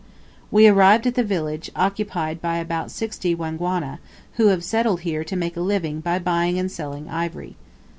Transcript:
We arrived at the village, occupied by about sixty Wangwana, who have settled here to make a living by buying and selling ivory.